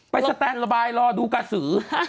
สแตนระบายรอดูกระสือ